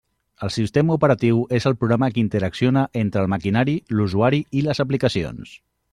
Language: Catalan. El sistema operatiu és el programa que interacciona entre el maquinari, l'usuari i les aplicacions.